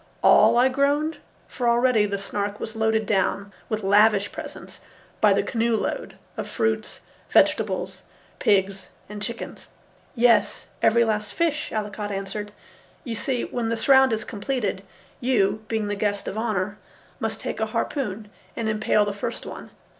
"All?" I groaned, for already the Snark was loaded down with lavish presents, by the canoe load, of fruits, vegetables, pigs, and chickens. "Yes, every last fish," Allicot answered. "You see, when the surround is completed, you, being the guest of honour, must take a harpoon and impale the first one.